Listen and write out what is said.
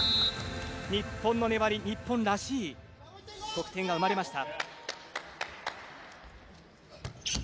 日本の粘り、日本らしい得点が生まれました。